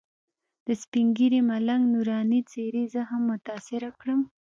د سپین ږیري ملنګ نوراني څېرې زه هم متاثره کړم.